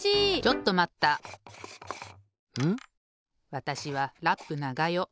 わたしはラップながよ。